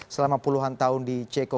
selama puluhan tahun di ceko